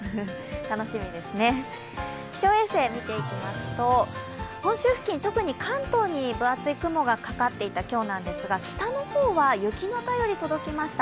楽しみですね、気象衛星見ていきますと本州付近、特に関東に分厚い雲がかかっていた今日なんですが北の方は、雪の便り届きました。